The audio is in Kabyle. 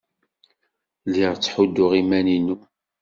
Lliɣ ttḥudduɣ iman-inu.